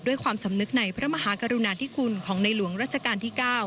ความสำนึกในพระมหากรุณาธิคุณของในหลวงรัชกาลที่๙